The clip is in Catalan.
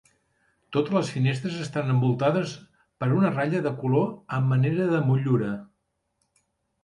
Totes les finestres estan envoltades per una ratlla de color a manera de motllura.